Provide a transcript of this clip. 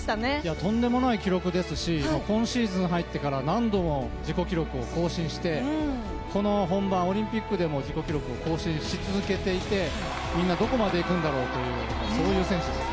とんでもない記録ですし今シーズン入ってから何度も自己記録を更新してこの本番、オリンピックでも自己記録を更新し続けていてみんなどこまで行くんだろうとそういう選手ですね。